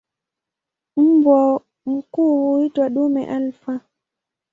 Mbwa mkuu huitwa "dume alfa".